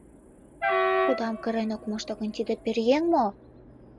Пудам кырен ок мошто гын, тиде пӧръеҥ мо?..